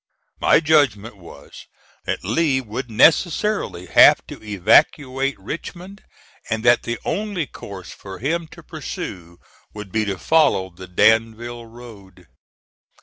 My judgment was that Lee would necessarily have to evacuate Richmond, and that the only course for him to pursue would be to follow the Danville Road.